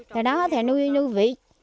thì đó thì nuôi vị